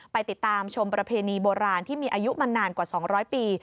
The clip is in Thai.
ไปติดตามชมประเพณีโบราณที่มีอายุมานานกว่า๒๐๐ปี